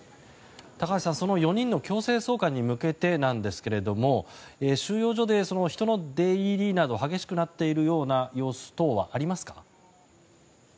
高橋さん４人の強制送還に向けてなんですが収容所で人の出入りなど激しくなっている様子等はありますか？